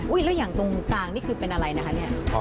แล้วอย่างตรงกลางนี่คือเป็นอะไรนะคะเนี่ย